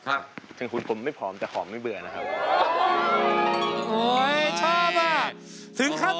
ถึงคุณผมแม้ผ่องแต่ข่องไม่เบื่อนะครับ